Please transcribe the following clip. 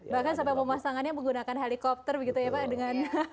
bahkan sampai pemasangannya menggunakan helikopter begitu ya pak dengan